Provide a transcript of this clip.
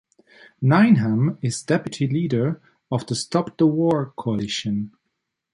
Nineham is deputy leader of the Stop the War Coalition.